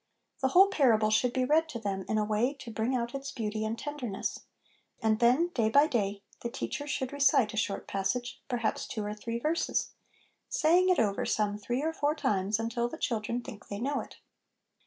The whole parable should be read to them in a way to bring out its beauty and tenderness ; and then, day by day, the teacher should recite a short passage, perhaps two or three verses, saying it over some three or four times until the children think they know it.